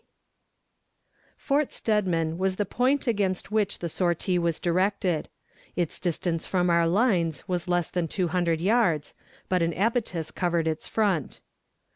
Fort Steadman was the point against which the sortie was directed; its distance from our lines was less than two hundred yards, but an abatis covered its front.